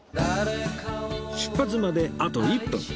出発まであと１分